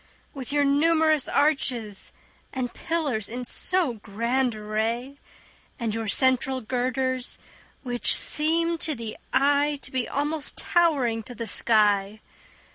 With your numerous arches and pillars in so grand array And your central girders, which seem to the eye To be almost towering to the sky.